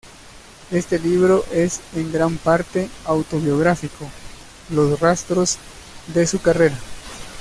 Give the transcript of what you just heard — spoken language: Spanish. Este libro es en gran parte autobiográfico, los rastros de su carrera.